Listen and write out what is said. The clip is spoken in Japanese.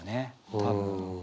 多分。